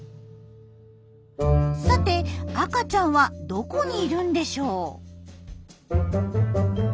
さて赤ちゃんはどこにいるんでしょう？